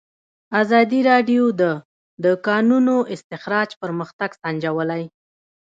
ازادي راډیو د د کانونو استخراج پرمختګ سنجولی.